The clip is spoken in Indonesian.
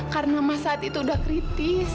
karena mas saat itu sudah kritis